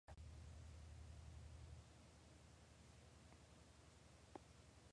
Savukārt sauszemes robežas tai ir ar Franciju un Andoru ziemeļaustrumos, bet rietumos ar Portugāli.